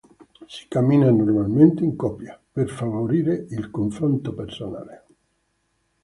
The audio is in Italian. Si cammina normalmente in coppia, per favorire il confronto personale.